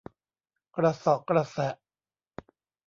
กระเสาะกระแสะ